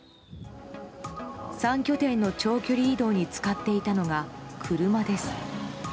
３拠点の長距離移動に使っていたのが車です。